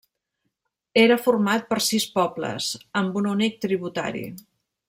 Era format per sis pobles, amb un únic tributari.